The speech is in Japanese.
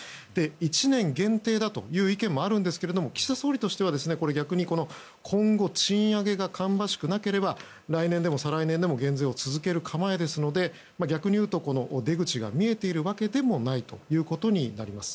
１年限定だという意見もあるんですが岸田総理としては逆に今後賃上げが芳しくなければ来年でも再来年でも減税を続ける構えですので逆にいうと出口が見えているわけでもないということになります。